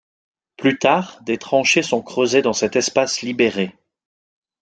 Plus tard, des tranchées sont creusées dans cet espace libéré.